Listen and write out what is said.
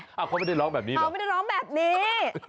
เขาไม่ได้ร้องแบบนี้เขาไม่ได้ร้องแบบนี้